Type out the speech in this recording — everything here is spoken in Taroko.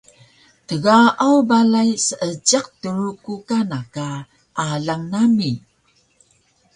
Tgaaw balay Seejiq Truku kana ka alang nami